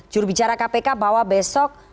jurubicara kpk bahwa besok